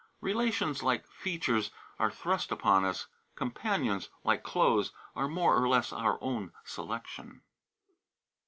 Relations, like features, are thrust upon us; companions, like clothes, are more or less our own selection."